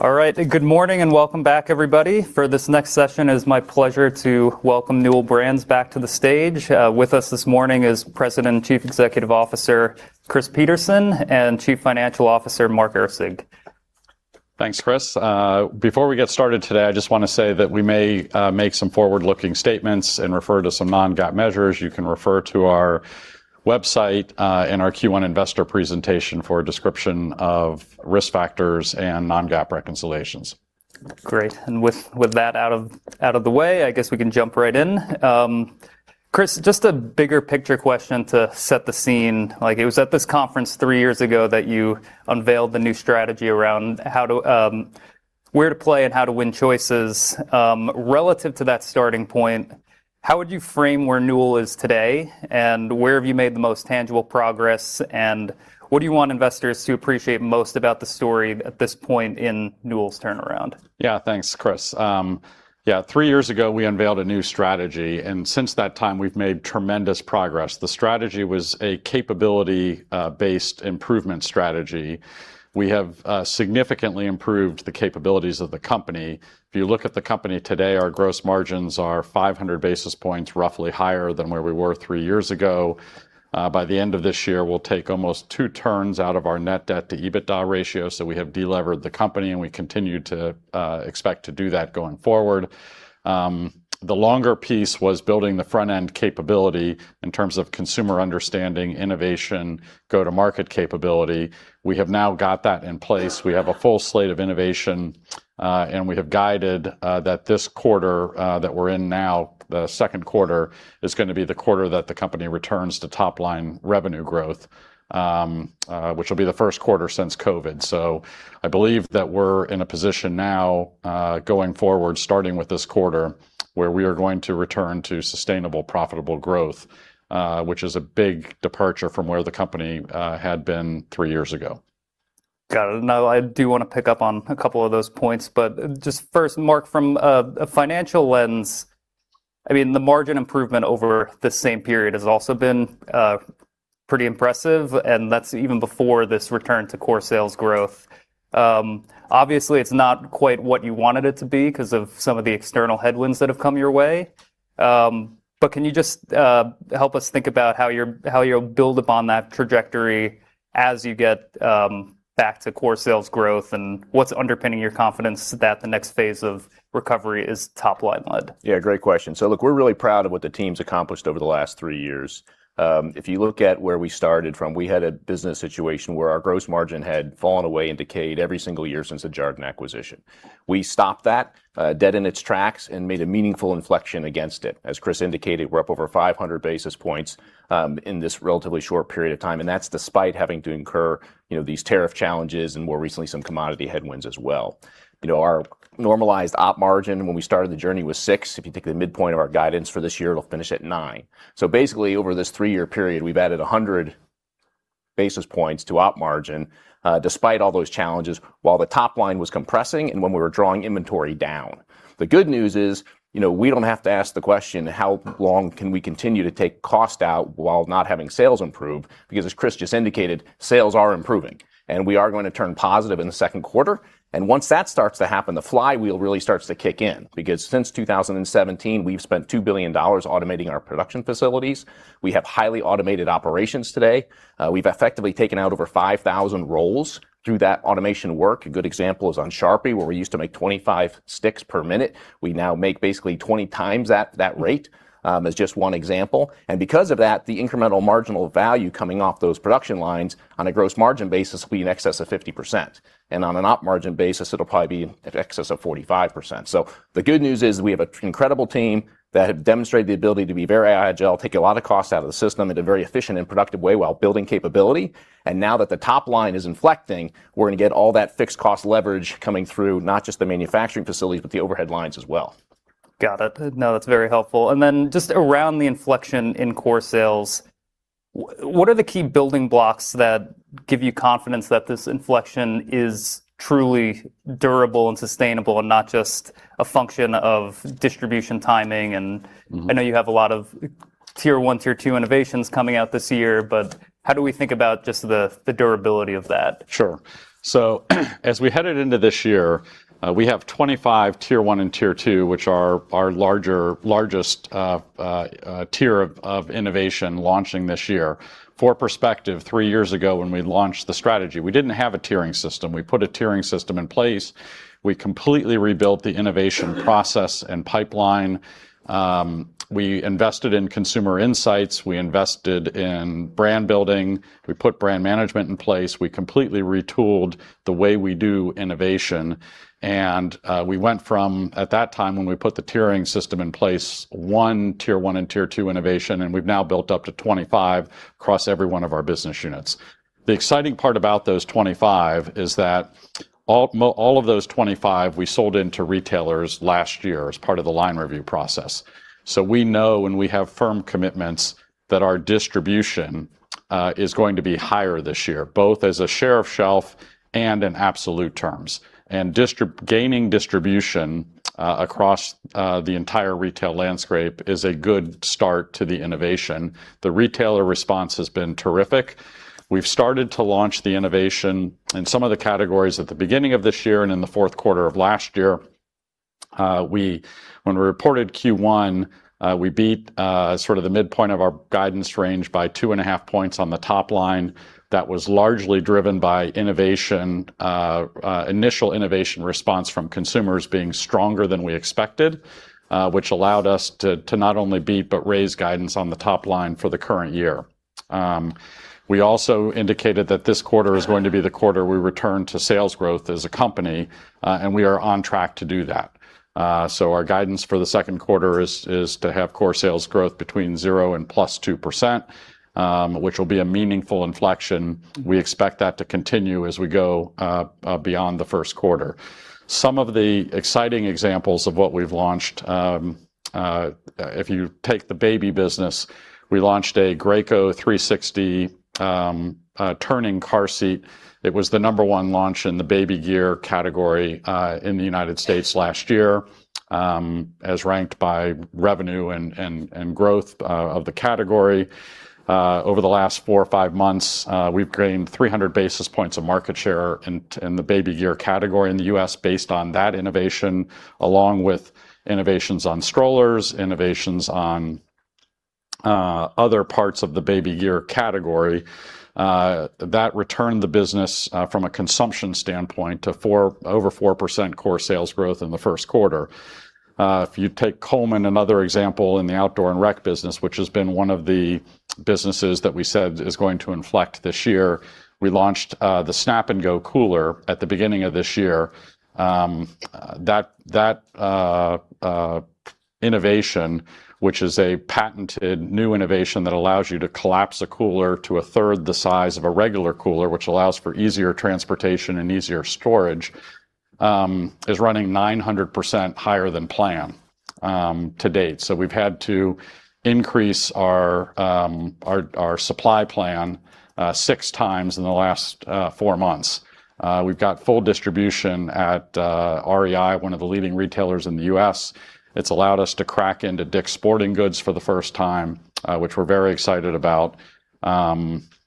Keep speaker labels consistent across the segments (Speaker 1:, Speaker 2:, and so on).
Speaker 1: All right. Good morning and welcome back, everybody. For this next session, it is my pleasure to welcome Newell Brands back to the stage. With us this morning is President and Chief Executive Officer, Chris Peterson, and Chief Financial Officer, Mark Erceg.
Speaker 2: Thanks, Chris. Before we get started today, I just want to say that we may make some forward-looking statements and refer to some non-GAAP measures. You can refer to our website and our Q1 investor presentation for a description of risk factors and non-GAAP reconciliations.
Speaker 1: Great. With that out of the way, I guess we can jump right in. Chris, just a bigger picture question to set the scene. It was at this conference three years ago that you unveiled the new strategy around where to play and how to win choices. Relative to that starting point, how would you frame where Newell is today, and where have you made the most tangible progress, and what do you want investors to appreciate most about the story at this point in Newell's turnaround?
Speaker 2: Thanks, Chris. Three years ago, we unveiled a new strategy, and since that time, we've made tremendous progress. The strategy was a capability-based improvement strategy. We have significantly improved the capabilities of the company. If you look at the company today, our gross margins are 500 basis points, roughly higher than where we were three years ago. By the end of this year, we'll take almost two turns out of our net debt to EBITDA ratio. We have delevered the company, and we continue to expect to do that going forward. The longer piece was building the front-end capability in terms of consumer understanding, innovation, go-to-market capability. We have now got that in place. We have a full slate of innovation. We have guided that this quarter that we're in now, the second quarter, is going to be the quarter that the company returns to top-line revenue growth, which will be the first quarter since COVID. I believe that we're in a position now, going forward, starting with this quarter, where we are going to return to sustainable, profitable growth, which is a big departure from where the company had been three years ago.
Speaker 1: Got it. I do want to pick up on a couple of those points. Just first, Mark, from a financial lens, the margin improvement over the same period has also been pretty impressive, and that's even before this return to core sales growth. Obviously, it's not quite what you wanted it to be because of some of the external headwinds that have come your way. Can you just help us think about how you'll build upon that trajectory as you get back to core sales growth, and what's underpinning your confidence that the next phase of recovery is top line led?
Speaker 3: Yeah, great question. Look, we're really proud of what the team's accomplished over the last three years. If you look at where we started from, we had a business situation where our gross margin had fallen away and decayed every single year since the Jarden acquisition. We stopped that dead in its tracks and made a meaningful inflection against it. As Chris indicated, we're up over 500 basis points in this relatively short period of time, and that's despite having to incur these tariff challenges and, more recently, some commodity headwinds as well. Our normalized op margin when we started the journey was six. If you take the midpoint of our guidance for this year, it'll finish at nine. Basically, over this three-year period, we've added 100 basis points to op margin, despite all those challenges, while the top line was compressing and when we were drawing inventory down. The good news is, we don't have to ask the question, how long can we continue to take cost out while not having sales improve? As Chris just indicated, sales are improving. We are going to turn positive in the second quarter. Once that starts to happen, the flywheel really starts to kick in. Since 2017, we've spent $2 billion automating our production facilities. We have highly automated operations today. We've effectively taken out over 5,000 roles through that automation work. A good example is on Sharpie, where we used to make 25 sticks per minute. We now make basically 20 times that rate, as just one example. Because of that, the incremental marginal value coming off those production lines on a gross margin basis will be in excess of 50%. On an op margin basis, it'll probably be in excess of 45%. The good news is we have an incredible team that have demonstrated the ability to be very agile, take a lot of cost out of the system in a very efficient and productive way while building capability. Now that the top line is inflecting, we're going to get all that fixed cost leverage coming through, not just the manufacturing facilities, but the overhead lines as well.
Speaker 1: Got it. No, that's very helpful. Then just around the inflection in core sales, what are the key building blocks that give you confidence that this inflection is truly durable and sustainable and not just a function of distribution timing? I know you have a lot of Tier 1, Tier 2 innovations coming out this year, but how do we think about just the durability of that?
Speaker 2: Sure. As we headed into this year, we have 25 Tier 1 and Tier 2, which are our largest tier of innovation launching this year. For perspective, three years ago when we launched the strategy, we didn't have a tiering system. We put a tiering system in place. We completely rebuilt the innovation process and pipeline. We invested in consumer insights. We invested in brand building. We put brand management in place. We completely retooled the way we do innovation. We went from, at that time when we put the tiering system in place, one Tier 1 and Tier 2 innovation, and we've now built up to 25 across every one of our business units. The exciting part about those 25 is that all of those 25 we sold into retailers last year as part of the line review process. We know and we have firm commitments that our distribution is going to be higher this year, both as a share of shelf and in absolute terms. Gaining distribution across the entire retail landscape is a good start to the innovation. The retailer response has been terrific. We've started to launch the innovation in some of the categories at the beginning of this year and in the fourth quarter of last year. When we reported Q1, we beat the midpoint of our guidance range by two and a half points on the top line. That was largely driven by initial innovation response from consumers being stronger than we expected, which allowed us to not only beat but raise guidance on the top line for the current year. We also indicated that this quarter is going to be the quarter we return to sales growth as a company, and we are on track to do that. Our guidance for the second quarter is to have core sales growth between zero and +2%, which will be a meaningful inflection. We expect that to continue as we go beyond the first quarter. Some of the exciting examples of what we've launched, if you take the baby business, we launched a Graco EasyTurn 360. It was the number one launch in the baby gear category in the United States last year, as ranked by revenue and growth of the category. Over the last four or five months, we've gained 300 basis points of market share in the baby gear category in the U.S. based on that innovation, along with innovations on strollers, innovations on other parts of the baby gear category. That returned the business, from a consumption standpoint, to over 4% core sales growth in the first quarter. If you take Coleman, another example in the outdoor and rec business, which has been one of the businesses that we said is going to inflect this year, we launched the Snap 'N Go cooler at the beginning of this year. That innovation, which is a patented new innovation that allows you to collapse a cooler to a third the size of a regular cooler, which allows for easier transportation and easier storage, is running 900% higher than plan to date. We've had to increase our supply plan six times in the last four months. We've got full distribution at REI, one of the leading retailers in the U.S. It's allowed us to crack into Dick's Sporting Goods for the first time, which we're very excited about.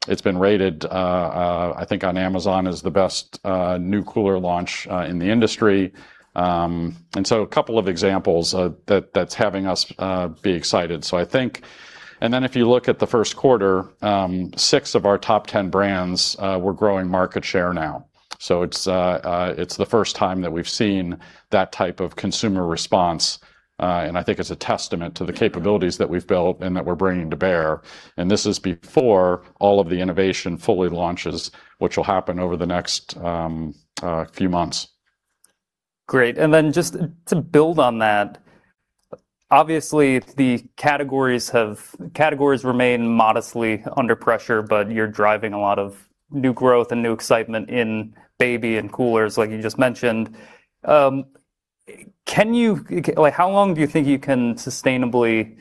Speaker 2: It's been rated, I think on Amazon, as the best new cooler launch in the industry. A couple of examples that's having us be excited. If you look at the first quarter, six of our top 10 brands, we're growing market share now. It's the first time that we've seen that type of consumer response, and I think it's a testament to the capabilities that we've built and that we're bringing to bear. This is before all of the innovation fully launches, which will happen over the next few months.
Speaker 1: Great. Then just to build on that, obviously the categories remain modestly under pressure, but you're driving a lot of new growth and new excitement in baby and coolers, like you just mentioned. How long do you think you can sustainably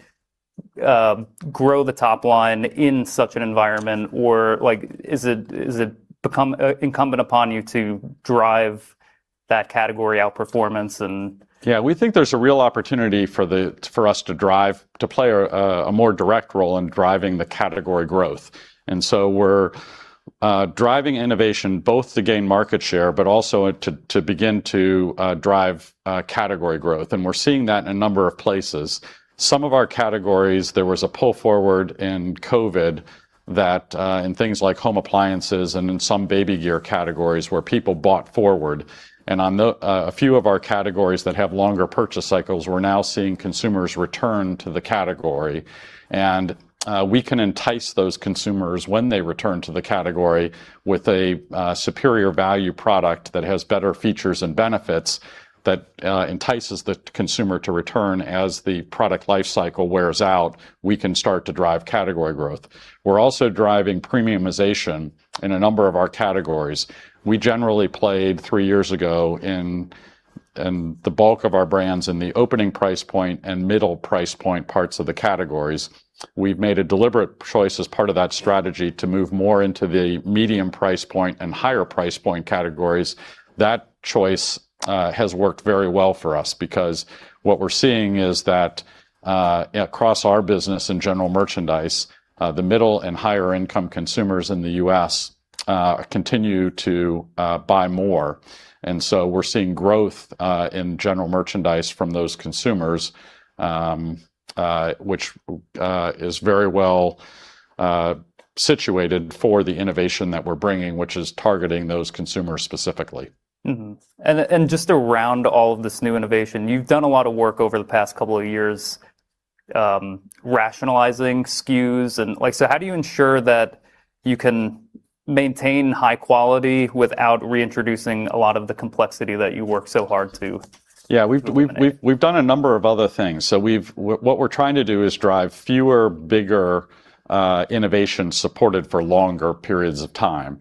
Speaker 1: grow the top line in such an environment? Has it become incumbent upon you to drive that category outperformance and-
Speaker 2: Yeah, we think there's a real opportunity for us to play a more direct role in driving the category growth. We're driving innovation both to gain market share, but also to begin to drive category growth. We're seeing that in a number of places. Some of our categories, there was a pull forward in COVID that, in things like home appliances and in some baby gear categories, where people bought forward. On a few of our categories that have longer purchase cycles, we're now seeing consumers return to the category. We can entice those consumers when they return to the category with a superior value product that has better features and benefits that entices the consumer to return. As the product life cycle wears out, we can start to drive category growth. We're also driving premiumization in a number of our categories. We generally played three years ago in the bulk of our brands in the opening price point and middle price point parts of the categories. We've made a deliberate choice as part of that strategy to move more into the medium price point and higher price point categories. That choice has worked very well for us because what we're seeing is that across our business in general merchandise, the middle and higher income consumers in the U.S. continue to buy more. We're seeing growth in general merchandise from those consumers, which is very well situated for the innovation that we're bringing, which is targeting those consumers specifically.
Speaker 1: Just around all of this new innovation, you've done a lot of work over the past couple of years rationalizing SKUs. How do you ensure that you can maintain high quality without reintroducing a lot of the complexity that you worked so hard?
Speaker 2: Yeah
Speaker 1: eliminate?
Speaker 2: We've done a number of other things. What we're trying to do is drive fewer, bigger innovations supported for longer periods of time.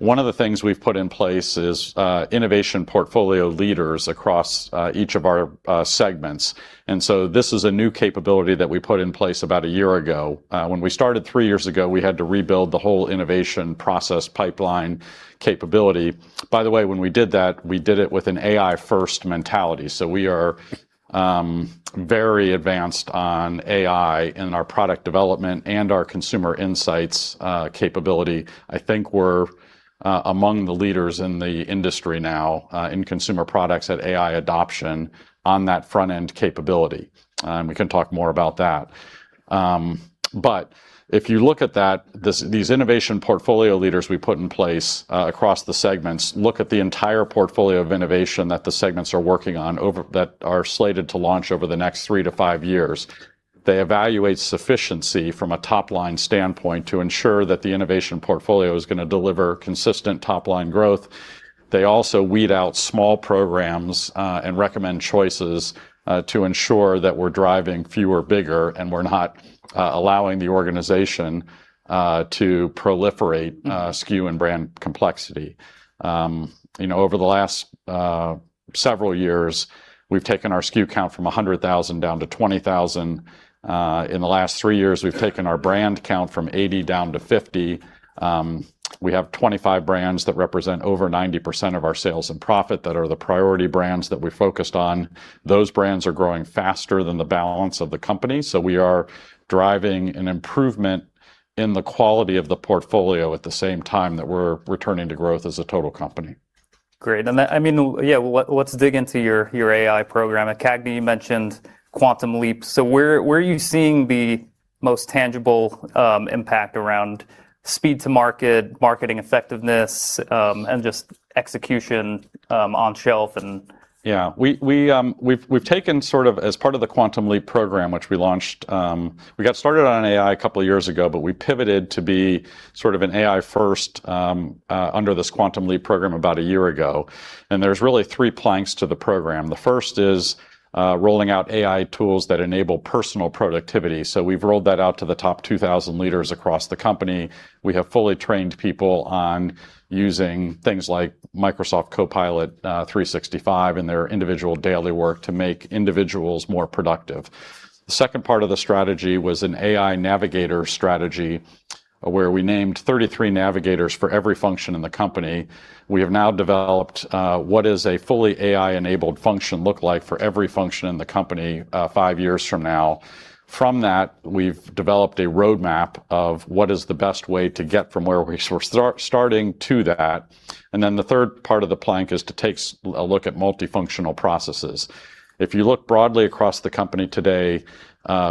Speaker 2: One of the things we've put in place is innovation portfolio leaders across each of our segments. This is a new capability that we put in place about a year ago. When we started three years ago, we had to rebuild the whole innovation process pipeline capability. By the way, when we did that, we did it with an AI-first mentality. We are very advanced on AI in our product development and our consumer insights capability. I think we're among the leaders in the industry now in consumer products at AI adoption on that front-end capability. We can talk more about that. If you look at that, these innovation portfolio leaders we put in place across the segments look at the entire portfolio of innovation that the segments are working on, that are slated to launch over the next three to five years. They evaluate sufficiency from a top-line standpoint to ensure that the innovation portfolio is going to deliver consistent top-line growth. They also weed out small programs and recommend choices to ensure that we're driving fewer, bigger, and we're not allowing the organization to proliferate SKU and brand complexity. Over the last several years, we've taken our SKU count from 100,000 down to 20,000. In the last three years, we've taken our brand count from 80 down to 50. We have 25 brands that represent over 90% of our sales and profit that are the priority brands that we focused on. Those brands are growing faster than the balance of the company. We are driving an improvement in the quality of the portfolio at the same time that we're returning to growth as a total company.
Speaker 1: Great. Let's dig into your AI program. At CAGNY, you mentioned Quantum Leap. Where are you seeing the most tangible impact around speed to market, marketing effectiveness, and just execution on shelf.
Speaker 2: Yeah. We've taken sort of, as part of the Quantum Leap program, which we got started on AI a couple of years ago, but we pivoted to be sort of an AI first under this Quantum Leap program about a year ago. There's really three planks to the program. The first is rolling out AI tools that enable personal productivity. We've rolled that out to the top 2,000 leaders across the company. We have fully trained people on using things like Microsoft 365 Copilot in their individual daily work to make individuals more productive. The second part of the strategy was an AI navigator strategy, where we named 33 navigators for every function in the company. We have now developed what is a fully AI-enabled function look like for every function in the company five years from now. From that, we've developed a roadmap of what is the best way to get from where we're starting to that. The third part of the plank is to take a look at multifunctional processes. If you look broadly across the company today,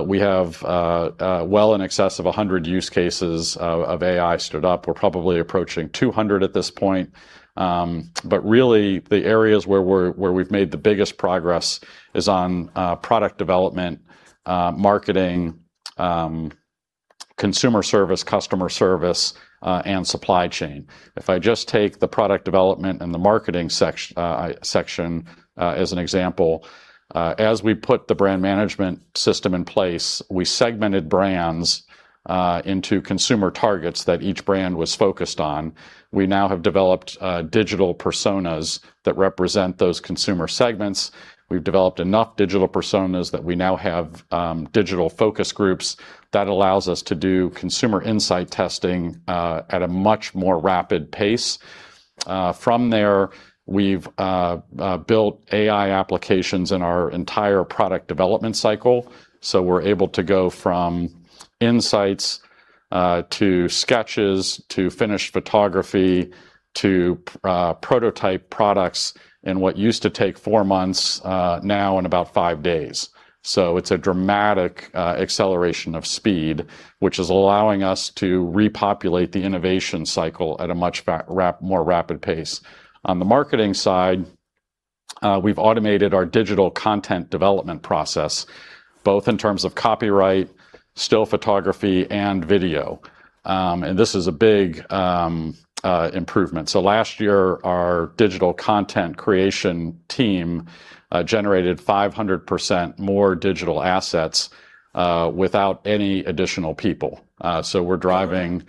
Speaker 2: we have well in excess of 100 use cases of AI stood up. We're probably approaching 200 at this point. Really, the areas where we've made the biggest progress is on product development, marketing, consumer service, customer service, and supply chain. If I just take the product development and the marketing section as an example, as we put the brand management system in place, we segmented brands into consumer targets that each brand was focused on. We now have developed digital personas that represent those consumer segments. We've developed enough digital personas that we now have digital focus groups that allows us to do consumer insight testing at a much more rapid pace. From there, we've built AI applications in our entire product development cycle. We're able to go from insights to sketches, to finished photography, to prototype products in what used to take four months, now in about five days. It's a dramatic acceleration of speed, which is allowing us to repopulate the innovation cycle at a much more rapid pace. On the marketing side, we've automated our digital content development process, both in terms of copyright, still photography, and video. This is a big improvement. Last year, our digital content creation team generated 500% more digital assets without any additional people. We're driving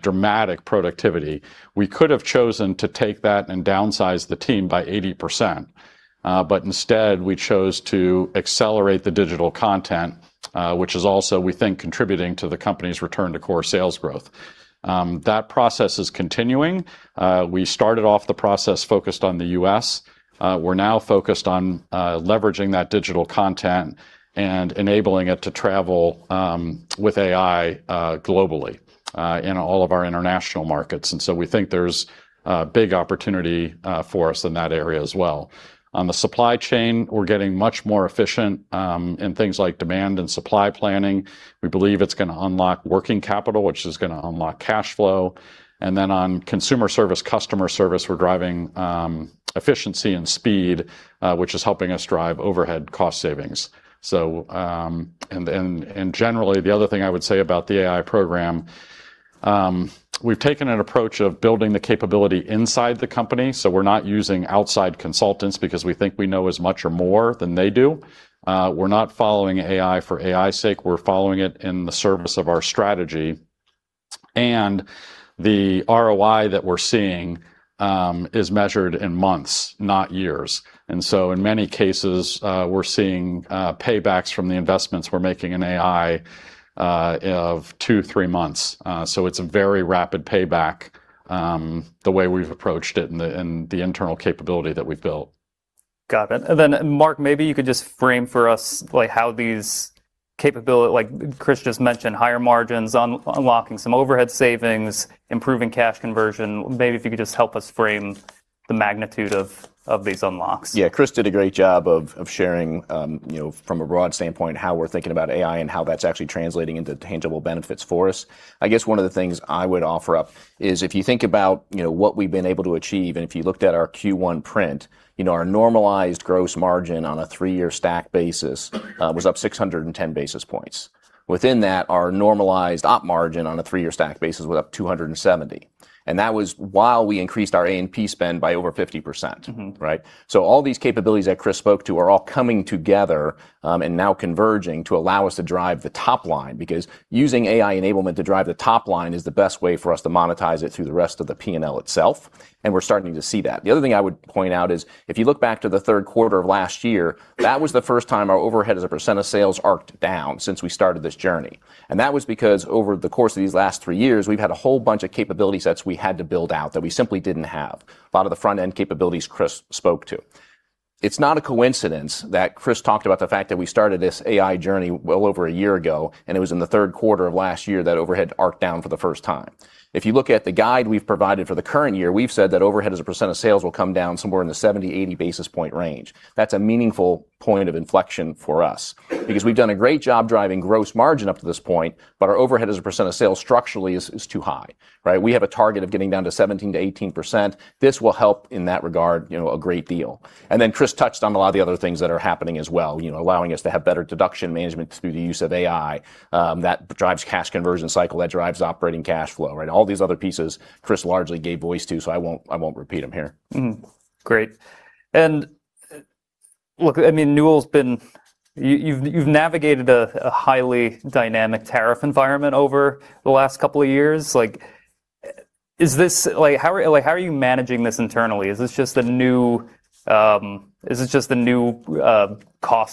Speaker 2: dramatic productivity. We could have chosen to take that and downsize the team by 80%, but instead, we chose to accelerate the digital content, which is also, we think, contributing to the company's return to core sales growth. That process is continuing. We started off the process focused on the U.S. We're now focused on leveraging that digital content and enabling it to travel with AI globally in all of our international markets. We think there's a big opportunity for us in that area as well. On the supply chain, we're getting much more efficient in things like demand and supply planning. We believe it's going to unlock working capital, which is going to unlock cash flow. On consumer service, customer service, we're driving efficiency and speed, which is helping us drive overhead cost savings. Generally, the other thing I would say about the AI program, we've taken an approach of building the capability inside the company. We're not using outside consultants because we think we know as much or more than they do. We're not following AI for AI's sake. We're following it in the service of our strategy. The ROI that we're seeing is measured in months, not years. In many cases, we're seeing paybacks from the investments we're making in AI of two, three months. It's a very rapid payback the way we've approached it and the internal capability that we've built.
Speaker 1: Got it. Mark, maybe you could just frame for us how these capabilities, like Chris just mentioned, higher margins, unlocking some overhead savings, improving cash conversion. Maybe if you could just help us frame the magnitude of these unlocks?
Speaker 3: Yeah. Chris did a great job of sharing, from a broad standpoint, how we're thinking about AI and how that's actually translating into tangible benefits for us. I guess one of the things I would offer up is if you think about what we've been able to achieve, and if you looked at our Q1 print, our normalized gross margin on a three-year stack basis was up 610 basis points. Within that, our normalized op margin on a three-year stack basis was up 270, and that was while we increased our A&P spend by over 50%. Right. All these capabilities that Chris spoke to are all coming together and now converging to allow us to drive the top line, because using AI enablement to drive the top line is the best way for us to monetize it through the rest of the P&L itself, and we're starting to see that. The other thing I would point out is, if you look back to the third quarter of last year, that was the first time our overhead as a percent of sales arced down since we started this journey. That was because over the course of these last three years, we've had a whole bunch of capability sets we had to build out that we simply didn't have, a lot of the front-end capabilities Chris spoke to. It's not a coincidence that Chris talked about the fact that we started this AI journey well over a year ago, and it was in the third quarter of last year that overhead arced down for the first time. If you look at the guide we've provided for the current year, we've said that overhead as a % of sales will come down somewhere in the 70-80 basis point range. That's a meaningful point of inflection for us, because we've done a great job driving gross margin up to this point, but our overhead as a % of sales structurally is too high. We have a target of getting down to 17%-18%. This will help in that regard, a great deal. Chris touched on a lot of the other things that are happening as well, allowing us to have better deduction management through the use of AI, that drives cash conversion cycle, that drives operating cash flow. All these other pieces Chris largely gave voice to, so I won't repeat them here.
Speaker 1: Great. Look, you've navigated a highly dynamic tariff environment over the last couple of years. How are you managing this internally? Is this just a new cost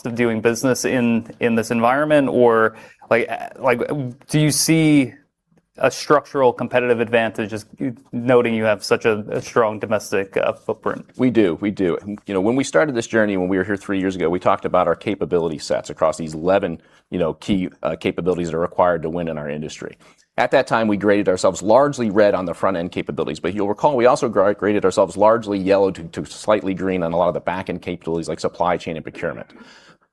Speaker 1: of doing business in this environment, or do you see a structural competitive advantage, just noting you have such a strong domestic footprint?
Speaker 3: We do. When we started this journey, when we were here three years ago, we talked about our capability sets across these 11 key capabilities that are required to win in our industry. At that time, we graded ourselves largely red on the front-end capabilities. You'll recall, we also graded ourselves largely yellow to slightly green on a lot of the back-end capabilities, like supply chain and procurement.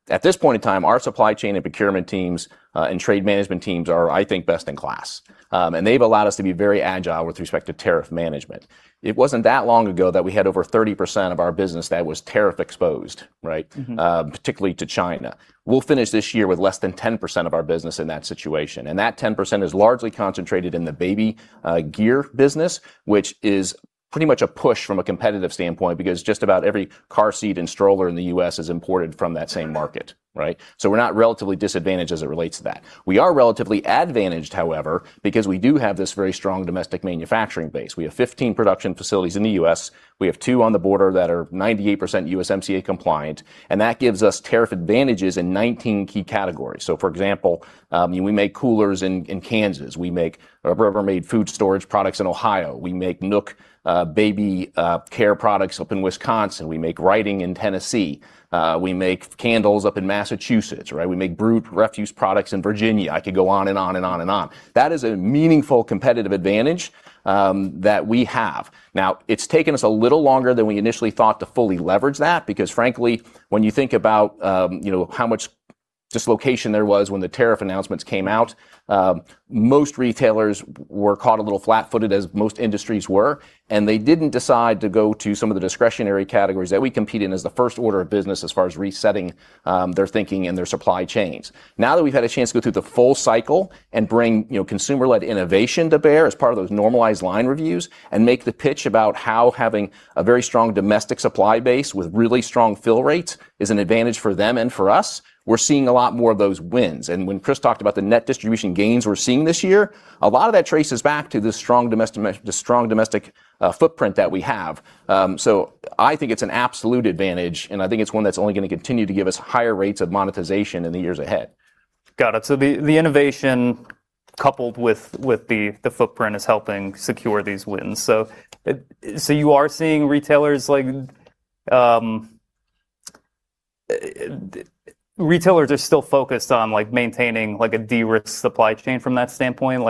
Speaker 3: At this point in time, our supply chain and procurement teams, and trade management teams are, I think, best in class. They've allowed us to be very agile with respect to tariff management. It wasn't that long ago that we had over 30% of our business that was tariff exposed, right? Particularly to China. We'll finish this year with less than 10% of our business in that situation, and that 10% is largely concentrated in the baby gear business, which is pretty much a push from a competitive standpoint because just about every car seat and stroller in the U.S. is imported from that same market. We're not relatively disadvantaged as it relates to that. We are relatively advantaged, however, because we do have this very strong domestic manufacturing base. We have 15 production facilities in the U.S. We have two on the border that are 98% USMCA compliant, and that gives us tariff advantages in 19 key categories. For example, we make coolers in Kansas. We've ever made food storage products in Ohio. We make NUK baby care products up in Wisconsin. We make writing in Tennessee. We make candles up in Massachusetts. We make BRUTE refuse products in Virginia. I could go on and on. That is a meaningful competitive advantage that we have. Now, it's taken us a little longer than we initially thought to fully leverage that because frankly, when you think about how much dislocation there was when the tariff announcements came out, most retailers were caught a little flat-footed, as most industries were, and they didn't decide to go to some of the discretionary categories that we compete in as the first order of business as far as resetting their thinking and their supply chains. Now that we've had a chance to go through the full cycle and bring consumer-led innovation to bear as part of those normalized line reviews, and make the pitch about how having a very strong domestic supply base with really strong fill rates is an advantage for them and for us, we're seeing a lot more of those wins. When Chris talked about the net distribution gains we're seeing this year, a lot of that traces back to the strong domestic footprint that we have. I think it's an absolute advantage, and I think it's one that's only going to continue to give us higher rates of monetization in the years ahead.
Speaker 1: Got it. The innovation coupled with the footprint is helping secure these wins. You are seeing retailers are still focused on maintaining a de-risk supply chain from that standpoint?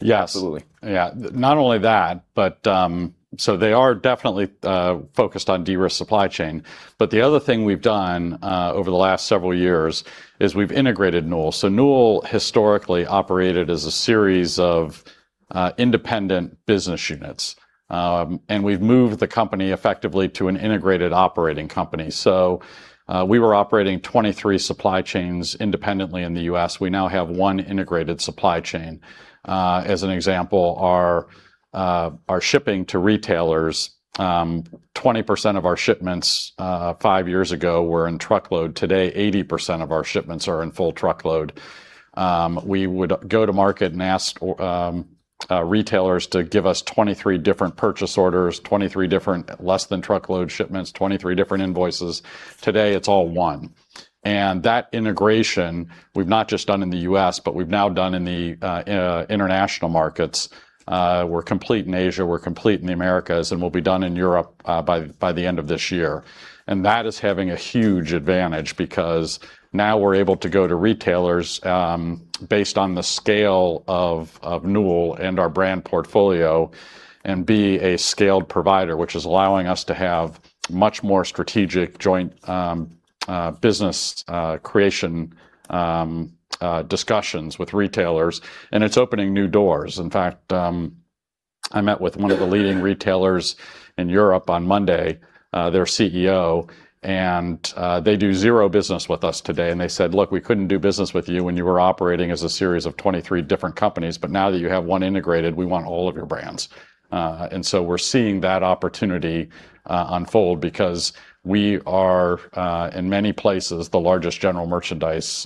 Speaker 2: Yes.
Speaker 1: Absolutely.
Speaker 2: Not only that, they are definitely focused on de-risk supply chain. The other thing we've done over the last five years is we've integrated Newell. Newell historically operated as a series of independent business units, and we've moved the company effectively to an integrated operating company. We were operating 23 supply chains independently in the U.S. We now have one integrated supply chain. As an example, our shipping to retailers, 20% of our shipments five years ago were in truckload. Today, 80% of our shipments are in full truckload. We would go to market and ask retailers to give us 23 different purchase orders, 23 different less than truckload shipments, 23 different invoices. Today, it's all one. That integration, we've not just done in the U.S., but we've now done in the international markets. We're complete in Asia, we're complete in the Americas, and we'll be done in Europe by the end of this year. That is having a huge advantage because now we're able to go to retailers based on the scale of Newell and our brand portfolio and be a scaled provider, which is allowing us to have much more strategic joint business creation discussions with retailers, and it's opening new doors. In fact, I met with one of the leading retailers in Europe on Monday, their CEO, and they do zero business with us today. They said, "Look, we couldn't do business with you when you were operating as a series of 23 different companies. Now that you have one integrated, we want all of your brands. We're seeing that opportunity unfold because we are, in many places, one of the largest general merchandise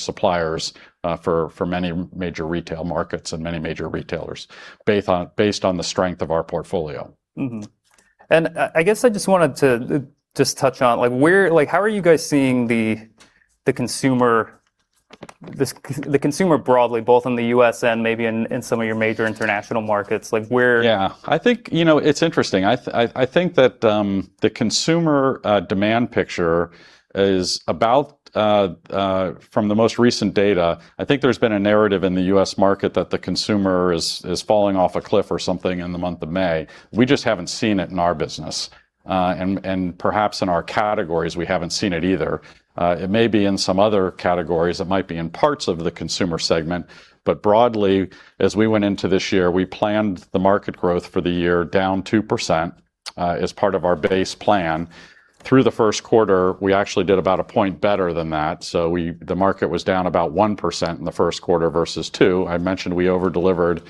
Speaker 2: suppliers for many major retail markets and many major retailers based on the strength of our portfolio.
Speaker 1: Mm-hmm. I guess I just wanted to just touch on, how are you guys seeing the consumer broadly, both in the U.S. and maybe in some of your major international markets?
Speaker 2: Yeah. I think it's interesting. I think that the consumer demand picture is about, from the most recent data, I think there's been a narrative in the U.S. market that the consumer is falling off a cliff or something in the month of May. We just haven't seen it in our business. Perhaps in our categories, we haven't seen it either. It may be in some other categories, it might be in parts of the consumer segment, but broadly, as we went into this year, we planned the market growth for the year down 2% as part of our base plan. Through the first quarter, we actually did about a point better than that. The market was down about 1% in the first quarter versus 2%. I mentioned we over-delivered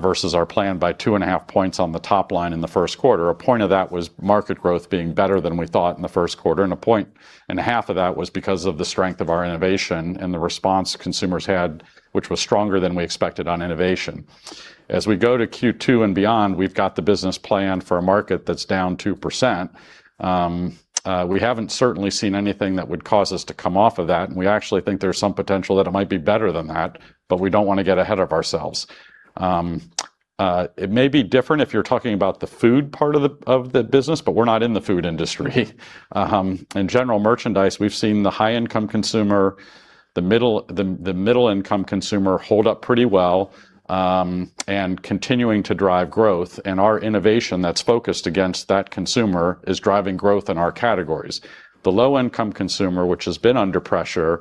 Speaker 2: versus our plan by two and a half points on the top line in the first quarter. A point of that was market growth being better than we thought in the first quarter, and a point and a half of that was because of the strength of our innovation and the response consumers had, which was stronger than we expected on innovation. We go to Q2 and beyond, we've got the business plan for a market that's down 2%. We haven't certainly seen anything that would cause us to come off of that. We actually think there's some potential that it might be better than that. We don't want to get ahead of ourselves. It may be different if you're talking about the food part of the business. We're not in the food industry. In general merchandise, we've seen the high-income consumer, the middle-income consumer hold up pretty well, continuing to drive growth. Our innovation that's focused against that consumer is driving growth in our categories. The low-income consumer, which has been under pressure,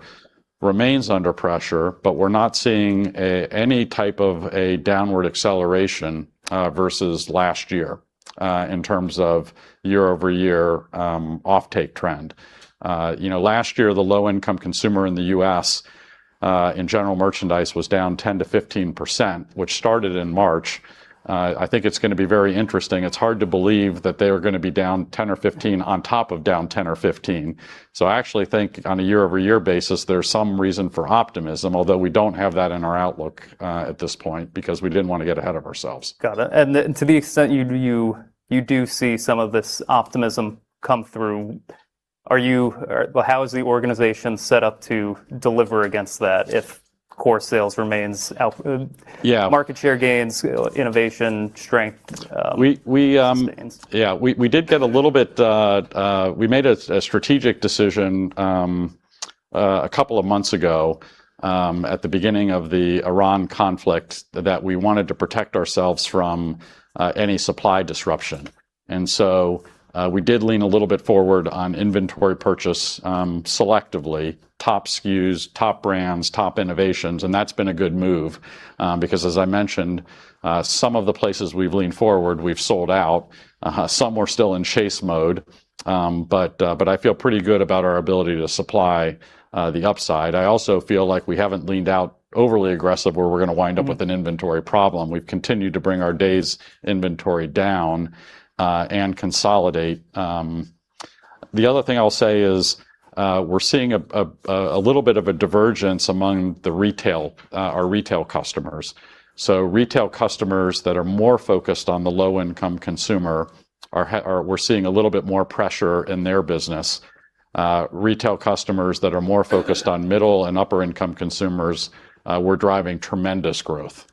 Speaker 2: remains under pressure, but we're not seeing any type of a downward acceleration versus last year, in terms of year-over-year offtake trend. Last year, the low-income consumer in the U.S. in general merchandise was down 10%-15%, which started in March. I think it's going to be very interesting. It's hard to believe that they are going to be down 10 or 15 on top of down 10 or 15. I actually think on a year-over-year basis, there's some reason for optimism, although we don't have that in our outlook at this point because we didn't want to get ahead of ourselves.
Speaker 1: Got it. To the extent you do see some of this optimism come through, how is the organization set up to deliver against that if core sales remains out-
Speaker 2: Yeah
Speaker 1: Market share gains, innovation, strength sustains?
Speaker 2: Yeah. We made a strategic decision a couple of months ago, at the beginning of the Iran conflict, that we wanted to protect ourselves from any supply disruption. So we did lean a little bit forward on inventory purchase, selectively, top SKUs, top brands, top innovations, and that's been a good move, because as I mentioned, some of the places we've leaned forward, we've sold out. Some we're still in chase mode. I feel pretty good about our ability to supply the upside. I also feel like we haven't leaned out overly aggressive where we're going to wind up with an inventory problem. We've continued to bring our days inventory down and consolidate. The other thing I'll say is we're seeing a little bit of a divergence among our retail customers. Retail customers that are more focused on the low-income consumer, we're seeing a little bit more pressure in their business. Retail customers that are more focused on middle and upper-income consumers, we're driving tremendous growth.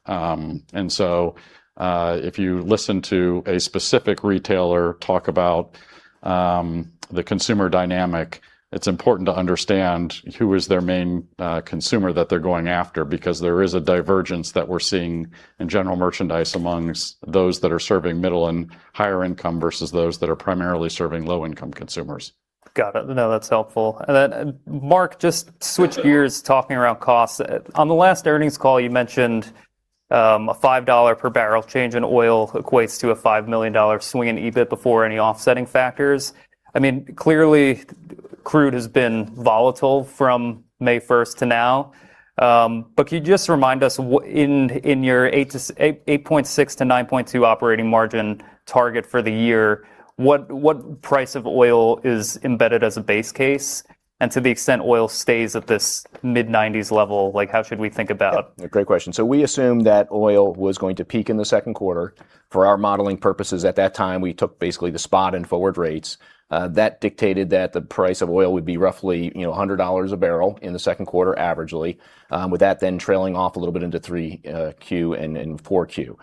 Speaker 2: If you listen to a specific retailer talk about the consumer dynamic, it's important to understand who is their main consumer that they're going after because there is a divergence that we're seeing in general merchandise amongst those that are serving middle and higher income versus those that are primarily serving low-income consumers.
Speaker 1: Got it. No, that's helpful. Mark, just switch gears talking around costs. On the last earnings call you mentioned a $5 per barrel change in oil equates to a $5 million swing in EBIT before any offsetting factors. Clearly, crude has been volatile from May 1st to now, but could you just remind us in your 8.6%-9.2% operating margin target for the year, what price of oil is embedded as a base case?
Speaker 3: Yeah, great question. We assume that oil was going to peak in the second quarter. For our modeling purposes at that time, we took basically the spot and forward rates. That dictated that the price of oil would be roughly $100 a barrel in the second quarter averagely. With that, then trailing off a little bit into 3Q and 4Q.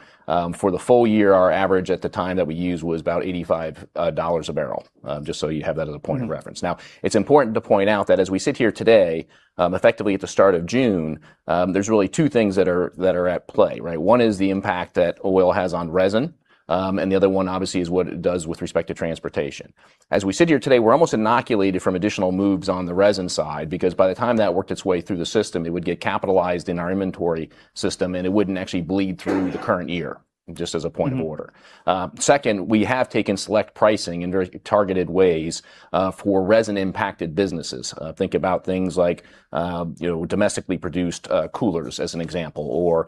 Speaker 3: For the full year, our average at the time that we used was about $85 a barrel, just so you have that as a point of reference. Now, it's important to point out that as we sit here today, effectively at the start of June, there's really two things that are at play, right? One is the impact that oil has on resin, and the other one obviously is what it does with respect to transportation. As we sit here today, we're almost inoculated from additional moves on the resin side, because by the time that worked its way through the system, it would get capitalized in our inventory system, and it wouldn't actually bleed through the current year, just as a point of order. Second, we have taken select pricing in very targeted ways, for resin-impacted businesses. Think about things like domestically produced coolers, as an example, or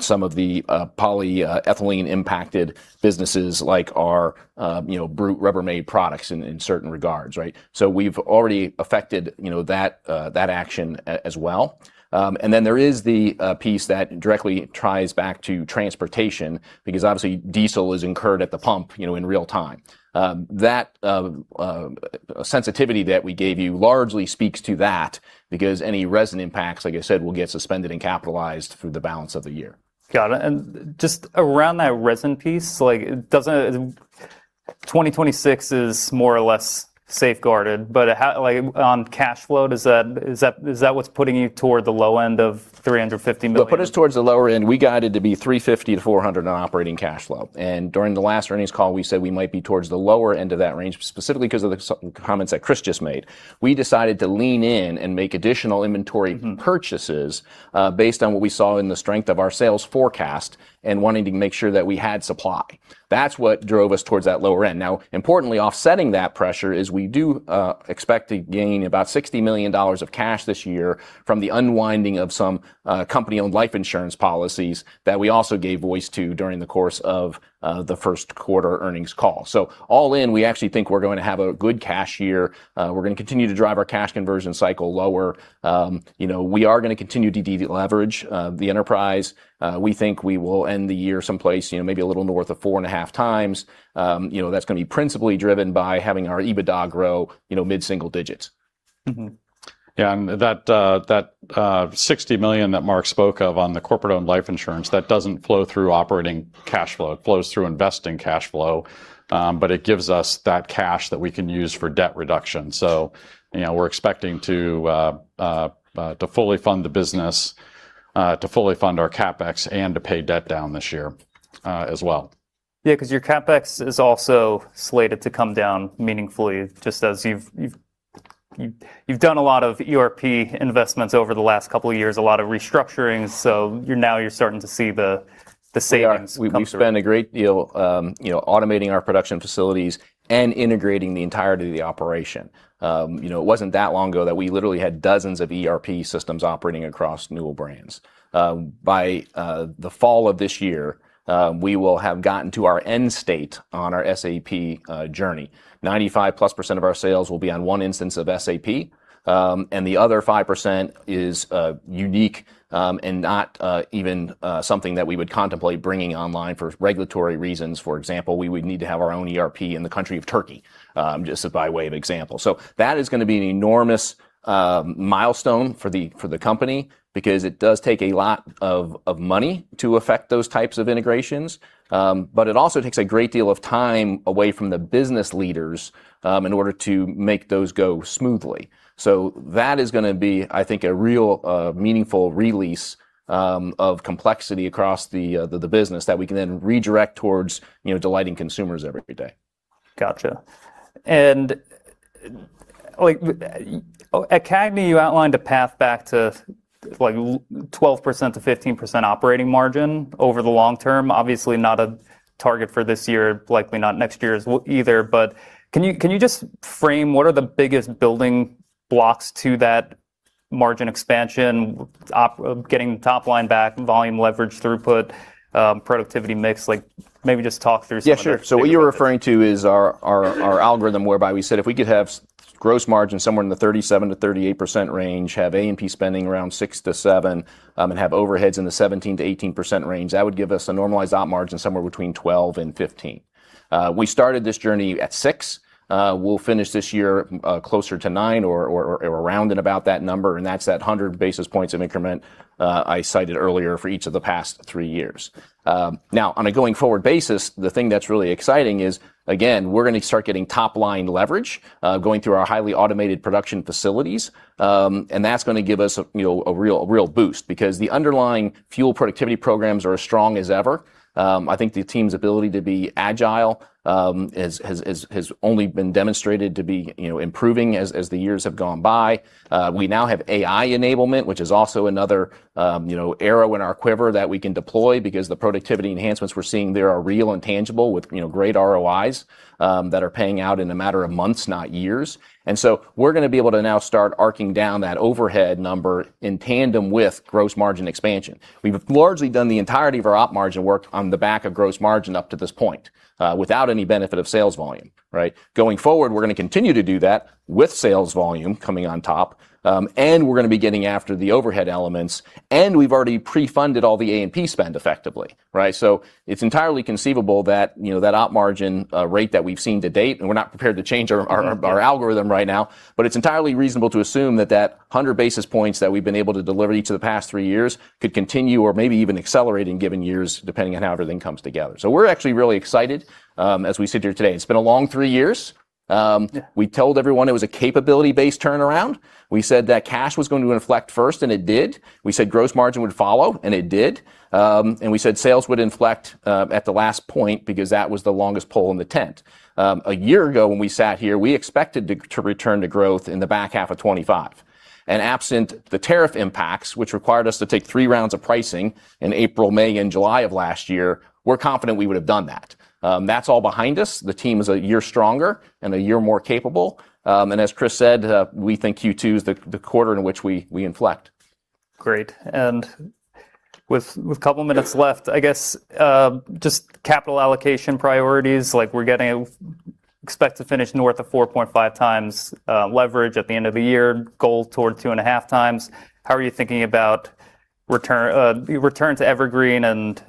Speaker 3: some of the polyethylene-impacted businesses like our BRUTE, Rubbermaid products in certain regards, right? We've already affected that action as well. There is the piece that directly ties back to transportation, because obviously diesel is incurred at the pump in real time. That sensitivity that we gave you largely speaks to that because any resin impacts, like I said, will get suspended and capitalized through the balance of the year.
Speaker 1: Got it. Just around that resin piece, 2026 is more or less safeguarded. On cash flow, is that what's putting you toward the low end of $350 million?
Speaker 3: It'll put us towards the lower end. We guided to be $350 million-$400 million on operating cash flow. During the last earnings call, we said we might be towards the lower end of that range, specifically because of the comments that Chris just made. We decided to lean in and make additional inventory purchases based on what we saw in the strength of our sales forecast and wanting to make sure that we had supply. That's what drove us towards that lower end. Now, importantly, offsetting that pressure is we do expect to gain about $60 million of cash this year from the unwinding of some company-owned life insurance policies that we also gave voice to during the course of the first quarter earnings call. All in, we actually think we're going to have a good cash year. We're going to continue to drive our cash conversion cycle lower. We are going to continue to deleverage the enterprise. We think we will end the year someplace maybe a little north of four and a half times. That's going to be principally driven by having our EBITDA grow mid-single digits.
Speaker 2: That $60 million that Mark spoke of on the corporate-owned life insurance, that doesn't flow through operating cash flow. It flows through investing cash flow. It gives us that cash that we can use for debt reduction. We're expecting to fully fund the business, to fully fund our CapEx, and to pay debt down this year as well.
Speaker 1: Yeah, because your CapEx is also slated to come down meaningfully, just as you've done a lot of ERP investments over the last couple of years, a lot of restructuring. Now you're starting to see the savings come through.
Speaker 3: We've spent a great deal automating our production facilities and integrating the entirety of the operation. It wasn't that long ago that we literally had dozens of ERP systems operating across Newell Brands. By the fall of this year, we will have gotten to our end state on our SAP journey. 95-plus% of our sales will be on one instance of SAP, and the other 5% is unique and not even something that we would contemplate bringing online for regulatory reasons. For example, we would need to have our own ERP in the country of Turkey, just by way of example. That is going to be an enormous milestone for the company because it does take a lot of money to affect those types of integrations. It also takes a great deal of time away from the business leaders in order to make those go smoothly. That is going to be, I think, a real meaningful release of complexity across the business that we can then redirect towards delighting consumers every day.
Speaker 1: Got you. At CAGNY, you outlined a path back to 12%-15% operating margin over the long term. Obviously, not a target for this year, likely not next year either, but can you just frame what are the biggest building blocks to that margin expansion, getting the top line back, volume leverage, throughput, productivity mix? Maybe just talk through some of those?
Speaker 3: Yeah, sure. What you're referring to is our algorithm whereby we said if we could have gross margin somewhere in the 37%-38% range, have A&P spending around 6%-7%, and have overheads in the 17%-18% range, that would give us a normalized op margin somewhere between 12%-15%. We started this journey at 6%. We'll finish this year closer to 9% or around and about that number, and that's that 100 basis points of increment I cited earlier for each of the past three years. Now, on a going-forward basis, the thing that's really exciting is, again, we're going to start getting top-line leverage going through our highly automated production facilities, and that's going to give us a real boost because the underlying fuel productivity programs are as strong as ever. I think the team's ability to be agile has only been demonstrated to be improving as the years have gone by. We now have AI enablement, which is also another arrow in our quiver that we can deploy because the productivity enhancements we're seeing there are real and tangible with great ROIs that are paying out in a matter of months, not years. We're going to be able to now start arcing down that overhead number in tandem with gross margin expansion. We've largely done the entirety of our op margin work on the back of gross margin up to this point, without any benefit of sales volume, right? Going forward, we're going to continue to do that with sales volume coming on top, and we're going to be getting after the overhead elements, and we've already pre-funded all the A&P spend effectively, right? It's entirely conceivable that that op margin rate that we've seen to date, and we're not prepared to change our algorithm right now, but it's entirely reasonable to assume that that 100 basis points that we've been able to deliver each of the past three years could continue or maybe even accelerate in given years, depending on how everything comes together. We're actually really excited as we sit here today. It's been a long three years.
Speaker 1: Yeah
Speaker 3: We told everyone it was a capability-based turnaround. We said that cash was going to inflect first, and it did. We said gross margin would follow, and it did. We said sales would inflect at the last point because that was the longest pole in the tent. A year ago when we sat here, we expected to return to growth in the back half of 2025. Absent the tariff impacts, which required us to take three rounds of pricing in April, May, and July of last year, we're confident we would've done that. That's all behind us. The team is a year stronger and a year more capable. As Chris said, we think Q2 is the quarter in which we inflect.
Speaker 1: Great. With a couple minutes left, I guess, just capital allocation priorities, like expect to finish north of 4.5x leverage at the end of the year, goal toward 2.5x. How are you thinking about return to evergreen and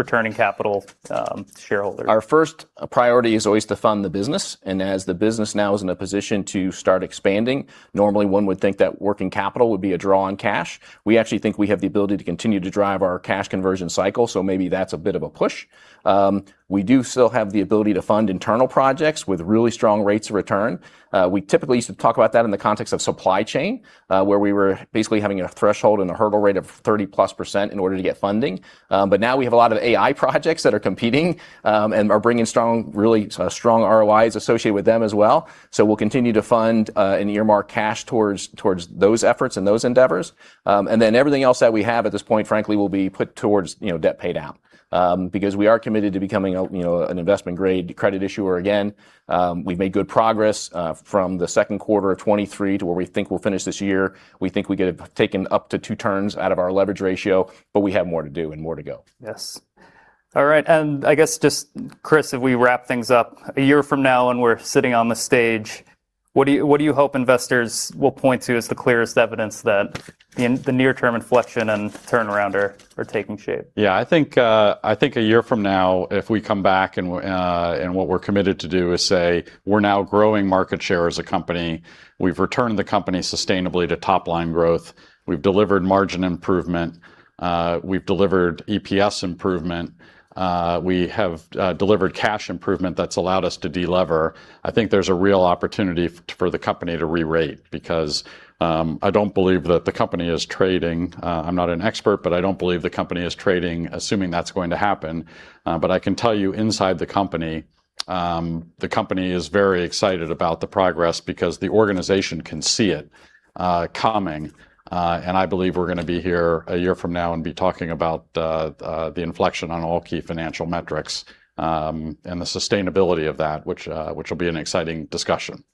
Speaker 1: returning capital to shareholders?
Speaker 3: Our first priority is always to fund the business, and as the business now is in a position to start expanding, normally one would think that working capital would be a draw on cash. We actually think we have the ability to continue to drive our cash conversion cycle, so maybe that's a bit of a push. We do still have the ability to fund internal projects with really strong rates of return. We typically used to talk about that in the context of supply chain, where we were basically having a threshold and a hurdle rate of 30-plus% in order to get funding. Now we have a lot of AI projects that are competing, and are bringing strong, really strong ROIs associated with them as well. We'll continue to fund, and earmark cash towards those efforts and those endeavors. And then everything else that we have at this point, frankly, will be put towards debt paydown because we are committed to becoming a, you know, an investment-grade credit issuer again. We've made good progress from the second quarter of 2023 to where we think we'll finish this year. We think we could have taken up to two turns out of our leverage ratio, but we have more to do and more to go.
Speaker 1: Yes. All right. I guess just, Chris, if we wrap things up, a year from now when we're sitting on the stage, what do you hope investors will point to as the clearest evidence that the near-term inflection and turnaround are taking shape?
Speaker 2: Yeah, I think, a year from now, if we come back and what we're committed to do is say, "We're now growing market share as a company. We've returned the company sustainably to top-line growth. We've delivered margin improvement. We've delivered EPS improvement. We have delivered cash improvement that's allowed us to de-lever." I think there's a real opportunity for the company to re-rate because, I don't believe that the company is trading, I'm not an expert, but I don't believe the company is trading assuming that's going to happen. I can tell you inside the company, the company is very excited about the progress because the organization can see it coming. I believe we're going to be here a year from now and be talking about the inflection on all key financial metrics, and the sustainability of that, which will be an exciting discussion.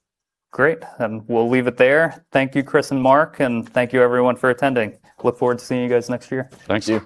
Speaker 1: Great. We'll leave it there. Thank you, Chris and Mark, and thank you everyone for attending. Look forward to seeing you guys next year.
Speaker 2: Thank you.